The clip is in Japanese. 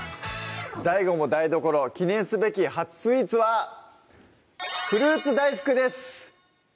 ＤＡＩＧＯも台所記念すべき初スイー「フルーツ大福」です